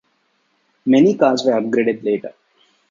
Many cars were upgraded later.